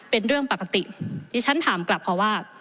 เป็นเรื่องปกติที่ฉันถามกลับค่ะว่า